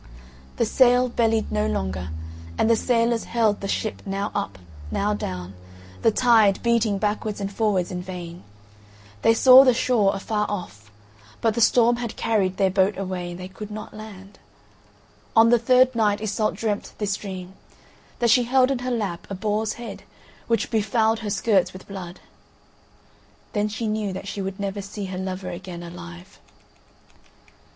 The sail bellied no longer, and the sailors held the ship now up, now down, the tide, beating backwards and forwards in vain. They saw the shore afar off, but the storm had carried their boat away and they could not land. On the third night Iseult dreamt this dream: that she held in her lap a boar's head which befouled her skirts with blood; then she knew that she would never see her lover again alive.